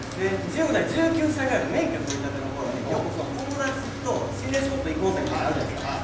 １０代１９歳ぐらいの免許取りたての頃によく友達と心霊スポット行こうぜ！みたいなのあるじゃないですか。